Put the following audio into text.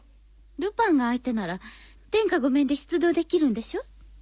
ルパンが相手なら天下御免で出動できるんでしょ？